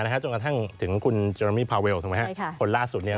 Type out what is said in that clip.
และจนกระทั่งถึงคุณเจรามีพาวเวลคนล่าสุดเนี่ย